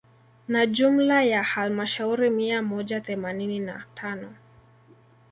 Na jumla ya halmashauri mia moja themanini na tano